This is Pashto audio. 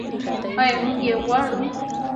آیا موږ یې غواړو؟